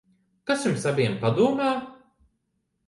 Kas jums abiem padomā?